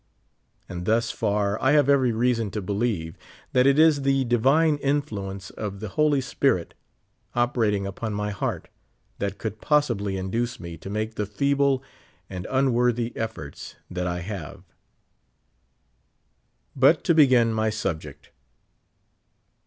And thus far I have every reason to believe that it is the divine influence of the Hol}^ Spirit operating upon my heart tliat could possibly induce me to make the feeble and unworthy efforts that I have. But to begin my subject.